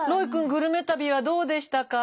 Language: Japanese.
グルメ旅はどうでしたか？